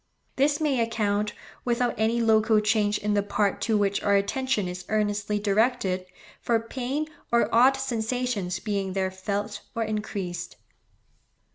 This may account, without any local change in the part to which our attention is earnestly directed, for pain or odd sensations being there felt or increased.